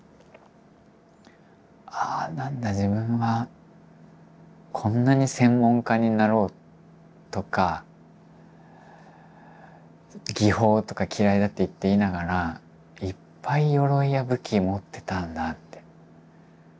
ああなんだ自分はこんなに専門家になろうとか技法とか嫌いだって言っていながらいっぱいよろいや武器持ってたんだって。